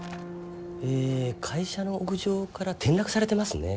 え会社の屋上から転落されてますね。